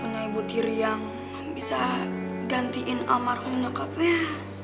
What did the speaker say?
rupanya punya ibu tiri yang bisa gantiin amar om nyokapnya